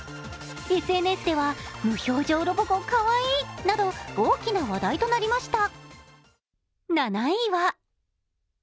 ＳＮＳでは無表情ロボ子もかわいいなど大きな話題となりました。